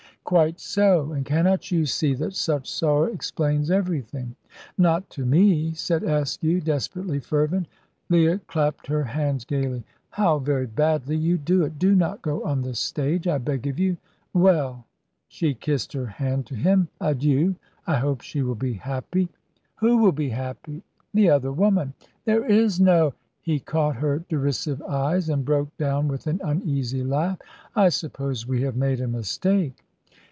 "Quite so, and cannot you see that such sorrow explains everything?" "Not to me," said Askew, desperately fervent. Leah clapped her hands gaily. "How very badly you do it! Do not go on the stage, I beg of you. Well!" she kissed her hand to him, "adieu! I hope she will be happy." "Who will be happy?" "The other woman." "There is no " He caught her derisive eyes, and broke down with an uneasy laugh. "I suppose we have made a mistake."